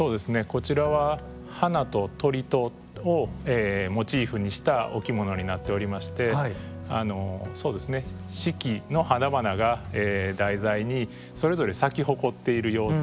こちらは花と鳥とをモチーフにしたお着物になっておりましてそうですね四季の花々が題材にそれぞれ咲き誇っている様子